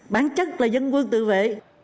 bản chất là dân quân tự vệ